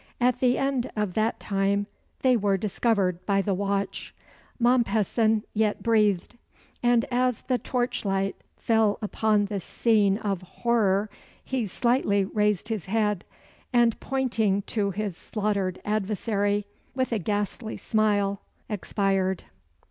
At the end of that time, they were discovered by the watch. Mompesson yet breathed; and as the torch light fell upon the scene of horror, he slightly raised his head, and pointing to his slaughtered adversary, with a ghastly smile, expired.